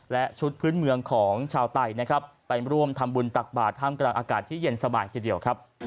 และชุดพื้นเมืองของชาวไต่ไปร่วมทำบุญตักบาดห้ามกำลังอากาศที่เย็นสบายทีเดียว